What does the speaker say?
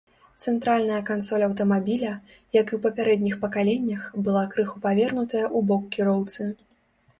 Цэнтральная кансоль аўтамабіля, як і ў папярэдніх пакаленнях, была крыху павернутая ў бок кіроўцы.